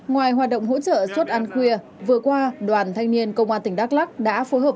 ngoài hoạt động hỗ trợ suất ăn khuya vừa qua đoàn thanh niên công an tỉnh đắk lắc đã phối hợp